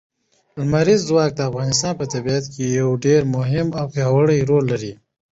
لمریز ځواک د افغانستان په طبیعت کې یو ډېر مهم او پیاوړی رول لري.